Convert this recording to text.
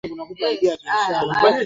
Pesa hakuna mali umenyang'anywa